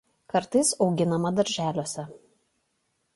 Kartais auginama darželiuose.